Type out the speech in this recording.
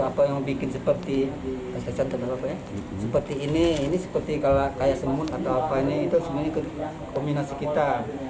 apa yang membuat seperti ini ini seperti kayak semut atau apa ini itu sebenarnya kombinasi kita